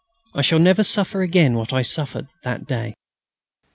I shall never suffer again what I suffered that day.